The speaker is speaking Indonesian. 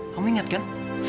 kamu ingat kan